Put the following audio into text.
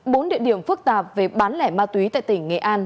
bốn địa điểm phức tạp về bán lẻ ma túy tại tỉnh nghệ an